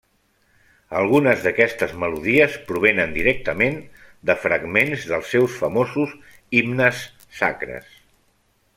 Algunes d'aquestes melodies provenen directament de fragments dels seus famosos himnes sacres.